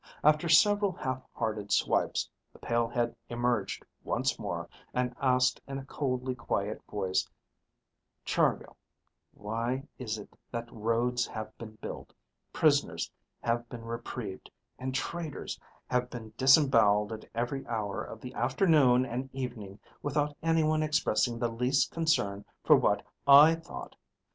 After several half hearted swipes, the pale head emerged once more and asked in a coldly quiet voice, "Chargill, why is it that roads have been built, prisoners have been reprieved, and traitors have been disemboweled at every hour of the afternoon and evening without anyone expressing the least concern for what I thought?